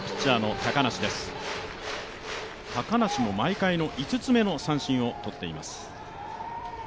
高梨も毎回の５つ目の三振をとっています。